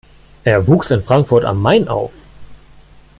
Er wuchs in Frankfurt am Main auf.